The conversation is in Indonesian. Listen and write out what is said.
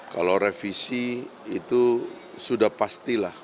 kalau revisi itu sudah pastilah